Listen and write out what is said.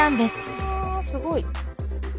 うわすごい。